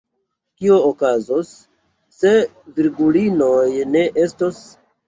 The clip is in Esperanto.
Kio okazos, se virgulinoj ne estos?